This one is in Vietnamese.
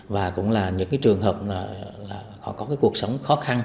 và cũng là những cái trường hợp là họ có cái cuộc sống khó khăn